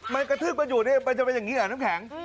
มันกระทืบมันอยู่นี่มันจะเป็นอย่างนี้เหรอน้ำแข็ง